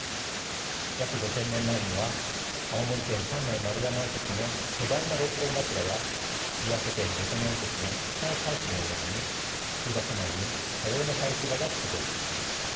約５，０００年前には青森県三内丸山遺跡の巨大な６本柱や岩手県御所野遺跡のストーンサークルのように集落内に多様な祭祀場が出現します。